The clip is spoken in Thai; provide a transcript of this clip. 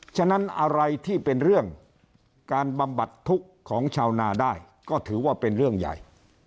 ฉะนั้นอะไรที่เป็นเรื่องการบำบัดทุกข์ของชาวนาได้ก็ถือว่าเป็นเรื่องใหญ่